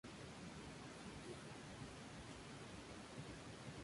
Tōru Irie